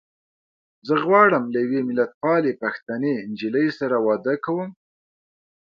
زه غواړم له يوې ملتپالې پښتنې نجيلۍ سره واده کوم.